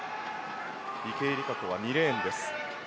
池江璃花子は２レーンです。